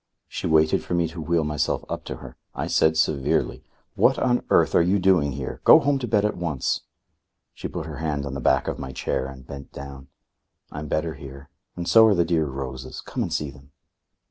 She waited for me to wheel myself up to her. I said severely: "What on earth are you doing here? Go home to bed at once." She put her hand on the back of my chair and bent down. "I'm better here. And so are the dear roses. Come and see them."